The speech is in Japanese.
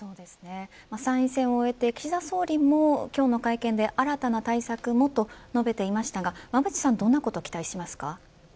参院選を終えて岸田総理も今日の会見で新たな対策をと述べていましたが馬渕さんはどんなことを期待しますか。